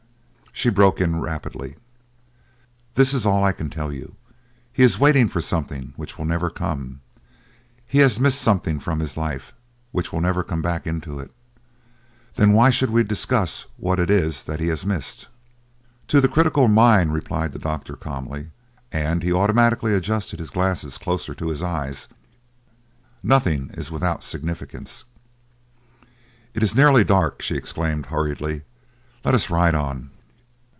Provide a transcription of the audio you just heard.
She broke in rapidly: "This is all I can tell you: he is waiting for something which will never come. He has missed something from his life which will never come back into it. Then why should we discuss what it is that he has missed." "To the critical mind," replied the doctor calmly, and he automatically adjusted his glasses closer to his eyes, "nothing is without significance." "It is nearly dark!" she exclaimed hurriedly. "Let us ride on."